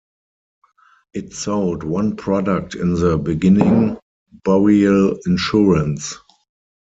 It sold one product in the beginning, burial insurance.